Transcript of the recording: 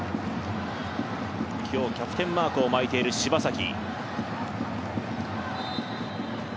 今日、キャプテンマークを巻いている柴崎。